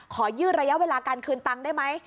ยืดระยะเวลาการคืนตังค์ได้ไหม